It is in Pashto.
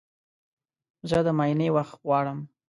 زه د معاینې وخت غواړم.